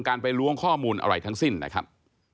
การไปล้วงข้อมูลอะไรทั้งสิ้นนะครับ